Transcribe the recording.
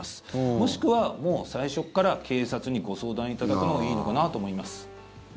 もしくは、もう最初から警察にご相談いただくのがいいのかなと思います。